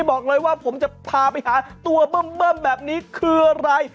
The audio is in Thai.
บอกเลยว่าผมจะพาไปหาตัวเบิ้มแบบนี้คืออะไร